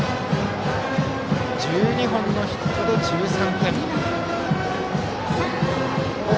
１２本のヒットで１３点。